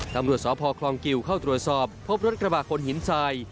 ตำรวจสพคลองกิวเข้าตรวจสอบพบรถกระบะคนหินทราย